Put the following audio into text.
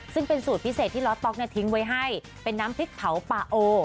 ซึ่งเป็นสูตรพิเศษที่ล้อต๊อกทิ้งไว้ให้เป็นน้ำพริกเผาป่าโอ